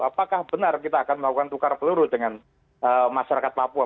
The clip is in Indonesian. apakah benar kita akan melakukan tukar peluru dengan masyarakat papua